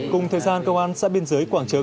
cùng thời gian công an xã biên giới quảng trời